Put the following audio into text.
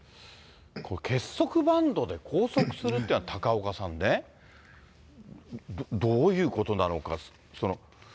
結束バンドで拘束するっていうのは、高岡さんね、どういうことなのか。